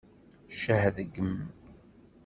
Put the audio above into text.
Ccah deg-m!